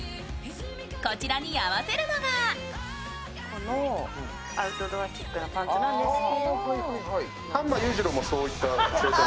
こちらに合わせるのがこのアウトドアチックなパンツなんですけど。